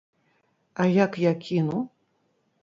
А як я кіну?